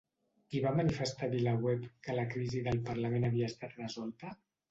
Qui va manifestar a VilaWeb que la crisi del parlament havia estat resolta?